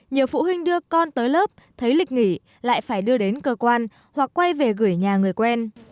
nhiều phụ huynh đưa con tới lớp thấy lịch nghỉ lại phải đưa đến cơ quan hoặc quay về gửi nhà người quen